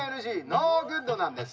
ノーグッドなんです。